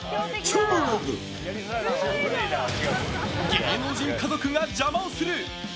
芸能人家族が邪魔をする！